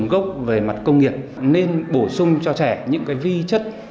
nguồn gốc về mặt công nghiệp nên bổ sung cho trẻ những cái vi chất